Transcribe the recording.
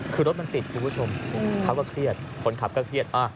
คือรถมันติดคุณผู้ชมเขาก็เครียดคนขับก็เครียด